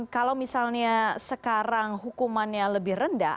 kalau misalnya sekarang hukumannya lebih rendah